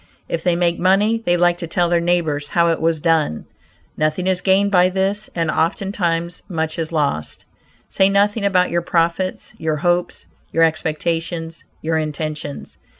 If they make money they like to tell their neighbors how it was done. Nothing is gained by this, and ofttimes much is lost. Say nothing about your profits, your hopes, your expectations, your intentions.